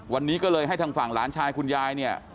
วันนี้ก็เลยให้ทางฝั่งหลานชายคุณยายเนี่ย